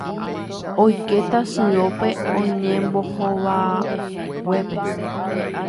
oike tasyópe oñembovohaguépe